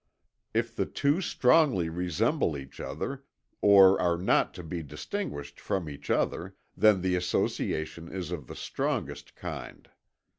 If the two strongly resemble each other, or are not to be distinguished from each other, then the association is of the strongest kind....